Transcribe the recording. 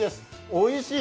おいしい。